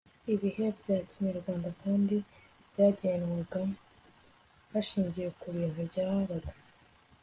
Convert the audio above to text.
ibihe bya kinyarwanda kandi byagenwaga hashingiwe ku bintu byabaga